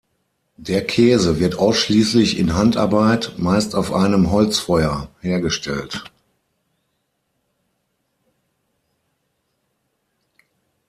Der Käse wird ausschliesslich in Handarbeit, meist auf einem Holzfeuer, hergestellt.